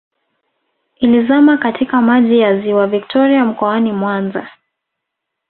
Ilizama katika maji ya ziwa Victoria mkoani Mwanza